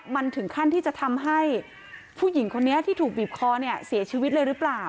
มันถึงขั้นที่จะทำให้ผู้หญิงคนนี้ที่ถูกบีบคอเนี่ยเสียชีวิตเลยหรือเปล่า